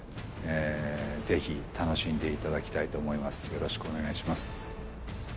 よろしくお願いします。